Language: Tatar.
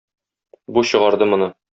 Бу чыгарды моны.